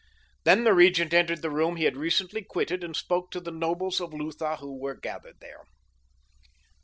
Then the Regent entered the room he had recently quitted and spoke to the nobles of Lutha who were gathered there.